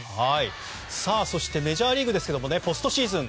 そしてメジャーリーグポストシーズン。